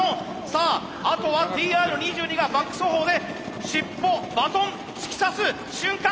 さああとはＴＲ２２がバック走法で尻尾バトン突き刺す瞬間！